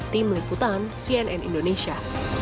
tim liputan cnn indonesia